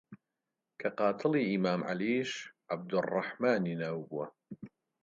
کە قاتڵی ئیمام عەلیش عەبدوڕڕەحمانی ناو بووە